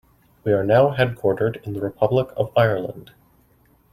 We are now headquartered in the Republic of Ireland.